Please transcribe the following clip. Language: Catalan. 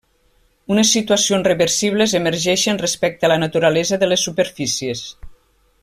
Unes situacions reversibles emergeixen respecte a la naturalesa de les superfícies.